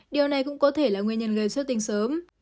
điều này cũng có thể là nguyên nhân gây xuất tinh sớm